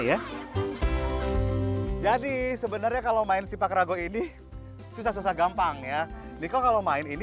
ya jadi sebenarnya kalau main sipak rago ini susah susah gampang ya niko kalau main ini